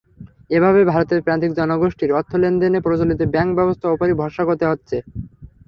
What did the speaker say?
এভাবেই ভারতের প্রান্তিক জনগোষ্ঠীর অর্থ লেনদেনে প্রচলিত ব্যাংক-ব্যবস্থার ওপরই ভরসা করতে হচ্ছে।